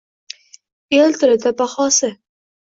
El tilida bahosi